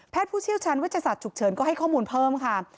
ผู้เชี่ยวชาญเวชศาสตร์ฉุกเฉินก็ให้ข้อมูลเพิ่มค่ะ